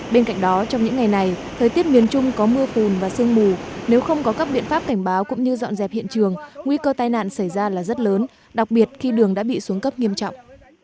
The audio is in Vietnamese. bên cạnh đó trong những ngày này thời tiết miền trung có mưa phùn và sương mù nếu không có các biện pháp cảnh báo cũng như dọn dẹp hiện trường nguy cơ tai nạn xảy ra là rất lớn đặc biệt khi đường đã bị xuống cấp nghiêm trọng